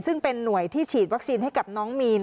ซึ่งเป็นหน่วยที่ฉีดวัคซีนให้กับน้องมีน